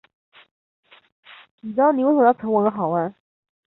铃木教学法在二十世纪中叶开发与推广的一种音乐教学法及教育哲学。